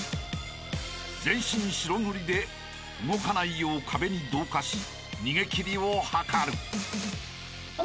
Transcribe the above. ［全身白塗りで動かないよう壁に同化し逃げ切りを図る］